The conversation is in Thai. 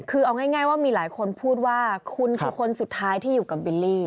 คือเอาง่ายว่ามีหลายคนพูดว่าคุณคือคนสุดท้ายที่อยู่กับบิลลี่